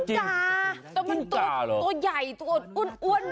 จ้าแต่มันตัวใหญ่ตัวอ้วน